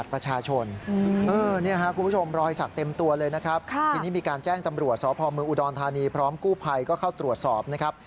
ท่านตำรวจศพมืออุดรธานีพร้อมกู้ภัยก็เข้าตรวจสอบนะครับ